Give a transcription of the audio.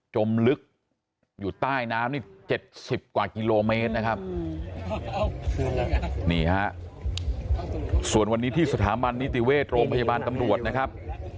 มลึกอยู่ใต้น้ำนี่๗๐กว่ากิโลเมตรนะครับนี่ฮะส่วนวันนี้ที่สถาบันนิติเวชโรงพยาบาลตำรวจนะครับ